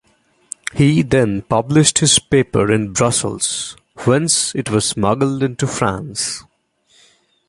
He then published his paper in Brussels, whence it was smuggled into France.